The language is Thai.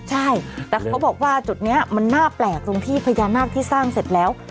ใช่แต่เขาบอกว่าจุดนี้มันน่าแปลกตรงที่พญานาคที่สร้างเสร็จแล้ว